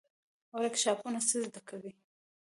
ورکشاپونه څه زده کوي؟